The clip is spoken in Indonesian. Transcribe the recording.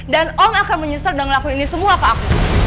dan om akan menyesal dengan lakon ini semua pak